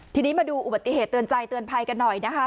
ทีนี้มาดูอุบัติเหตุเตือนใจเตือนภัยกันหน่อยนะคะ